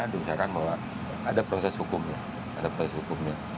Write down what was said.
misalkan bahwa ada proses hukumnya